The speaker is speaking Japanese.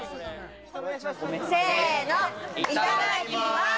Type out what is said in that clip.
せの、いただきます！